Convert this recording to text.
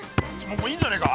もういいんじゃないか？